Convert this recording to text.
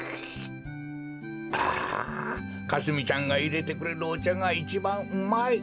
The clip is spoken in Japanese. あかすみちゃんがいれてくれるおちゃがいちばんうまい。